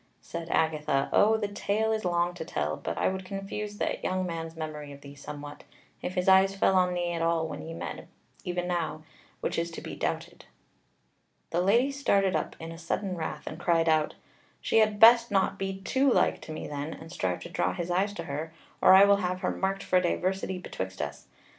Said Agatha: "O, the tale is long to tell; but I would confuse that young man's memory of thee somewhat, if his eyes fell on thee at all when ye met e'en now, which is to be doubted." The Lady started up in sudden wrath, and cried out: "She had best not be too like to me then, and strive to draw his eyes to her, or I will have her marked for diversity betwixt us.